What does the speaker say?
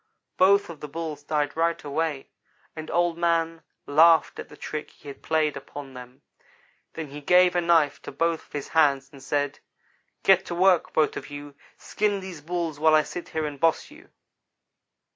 "Both of the Bulls died right away, and Old man laughed at the trick he had played upon them. Then he gave a knife to both of his hands, and said: "'Get to work, both of you! Skin these Bulls while I sit here and boss you.'